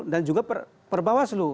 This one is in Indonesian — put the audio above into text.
dan juga perbawaslu